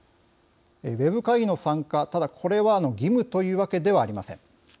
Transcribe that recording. ウェブ会議の参加、ただこれは義務というわけではありません。